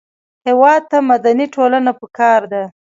هېواد ته مدني ټولنه پکار ده